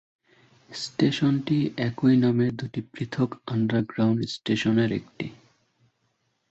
স্টেশনটি একই নামের দুটি পৃথক আন্ডারগ্রাউন্ড স্টেশনের একটি।